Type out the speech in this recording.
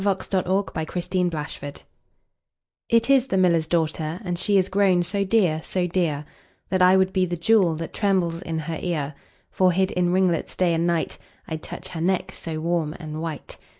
1809–1892 701. The Miller's Daughter IT is the miller's daughter, And she is grown so dear, so dear, That I would be the jewel That trembles in her ear: For hid in ringlets day and night, 5 I'd touch her neck so warm and white.